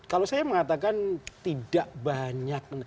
kalau saya mengatakan tidak banyak